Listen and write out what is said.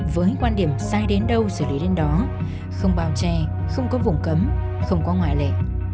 với quan điểm sai đến đâu xử lý đến đó không bao che không có vùng cấm không có ngoại lệ